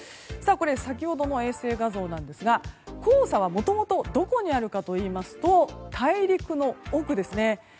先ほどの衛星画像なんですが黄砂はもともとどこにあるかといいますと大陸の奥ですね。